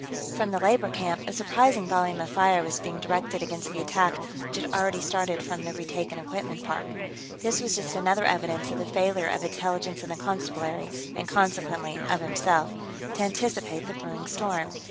From the labor camp, a surprising volume of fire was being directed against the attack which had already started from the retaken equipment park. This was just another evidence of the failure of Intelligence and the Constabulary and consequently of himself to anticipate the brewing storm.